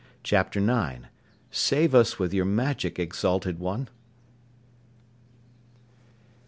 CHAPTER 9 "SAVE US WITH YOUR MAGIC, EXALTED ONE!"